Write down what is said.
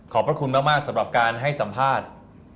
พระคุณมากสำหรับการให้สัมภาษณ์